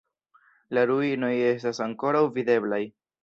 La ruinoj estas ankoraŭ videblaj.